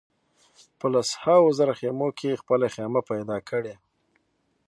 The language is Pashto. په لسهاوو زره خېمو کې خپله خېمه پیدا کړي.